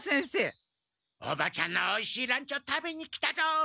おばちゃんのおいしいランチを食べに来たぞ。